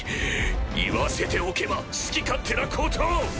言わせておけば好き勝手なことを！